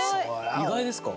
意外ですか？